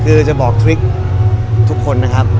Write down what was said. คือจะบอกทริคทุกคนนะครับ